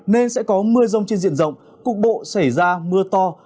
nên sẽ có mưa rông trên diện rộng cục bộ xảy ra mưa to